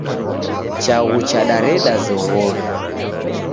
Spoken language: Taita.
Chaghu chadareda zoghori.